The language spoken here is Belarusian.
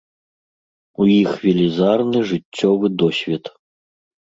У іх велізарны жыццёвы досвед.